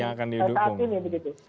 yang akan di dukung saat ini begitu